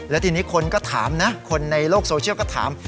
แล้วทีนี้คนก็ถามนะคนในโลกโซเชียลก็ถาม